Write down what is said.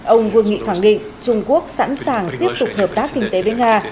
ông vương nghị khẳng định trung quốc sẵn sàng tiếp tục hợp tác kinh tế với nga